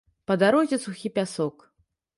Па дарозе сухі пясок.